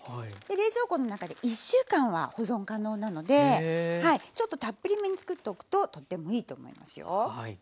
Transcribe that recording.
冷蔵庫の中で１週間は保存可能なのでちょっとたっぷりめに作っておくととってもいいと思いますよ。